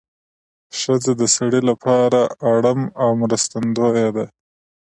ښځه د سړي لپاره اړم او مرستندویه ده